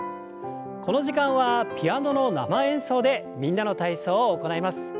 この時間はピアノの生演奏で「みんなの体操」を行います。